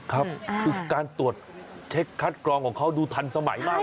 คือการตรวจเช็คคัดกรองของเขาดูทันสมัยมาก